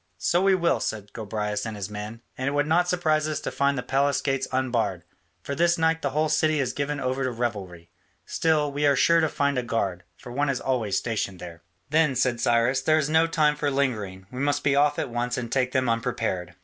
"So we will," said Gobryas and his men, "and it would not surprise us to find the palace gates unbarred, for this night the whole city is given over to revelry. Still, we are sure to find a guard, for one is always stationed there." "Then," said Cyrus, "there is no time for lingering; we must be off at once and take them unprepared."